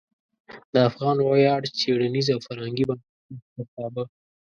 د افغان ویاړ څیړنیز او فرهنګي بنسټ مشرتابه